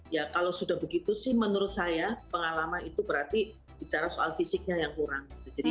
ya kalau sudah begitu sih menurut saya pengalaman itu berarti bicara soal fisiknya yang kurang